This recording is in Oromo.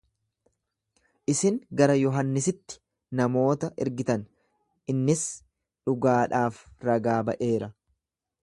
Isin gara Yohannisitti namoota ergitan, innis dhugaadhaaf ragaa ba’eera.